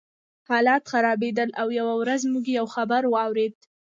حالات خرابېدل او یوه ورځ موږ یو خبر واورېد